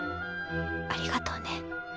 ありがとうね。